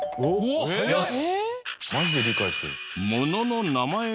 よし！